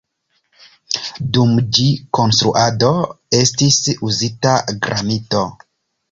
Dum ĝi konstruado estis uzita granito.